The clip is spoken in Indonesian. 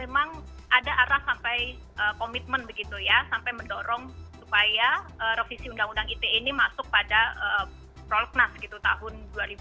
memang ada arah sampai komitmen begitu ya sampai mendorong supaya revisi undang undang ite ini masuk pada prolegnas gitu tahun dua ribu dua puluh